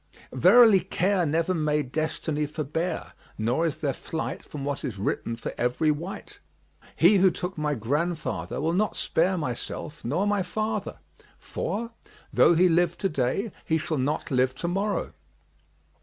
Verily care never made Destiny forbear; nor is there flight from what is written for every wight. He who took my grandfather will not spare myself nor my father; for, though he live to day he shall not live tomorrow.